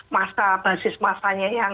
masa basis masanya yang